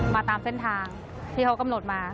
ตามเส้นทางที่เขากำหนดมา